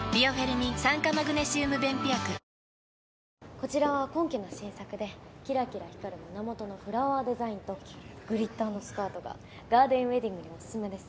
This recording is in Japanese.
こちらは今期の新作でキラキラ光る胸元のフラワーデザインとグリッターのスカートがガーデンウェディングにオススメです